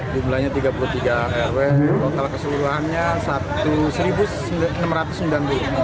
jumlahnya tiga puluh tiga rw total keseluruhannya satu enam ratus sembilan puluh